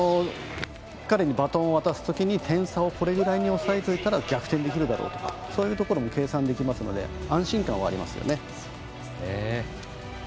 彼にバトンを渡すときに点差をこれぐらいに抑えておいたら逆転できるだろうとかそういうところも計算できますので安心感はありますよね。